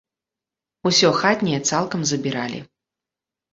Усё хатняе цалкам забіралі.